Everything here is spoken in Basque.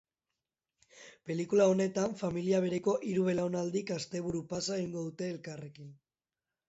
Pelikula honetan, familia bereko hiru belaunaldik asteburu-pasa egingo dute elkarrekin.